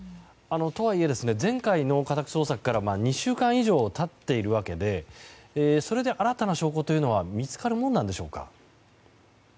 とはいえ前回の家宅捜索から２週間以上経っているわけでそれで新たな証拠というのは見つかるものなのでしょうか。